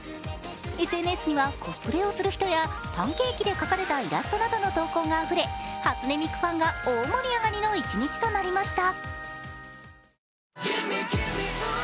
ＳＮＳには、コスプレをする人やパンケーキで描かれたイラストなどの投稿があふれ初音ミクファンが大盛り上がりの一日となりました。